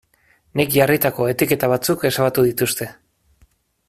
Nik jarritako etiketa batzuk ezabatu dituzte.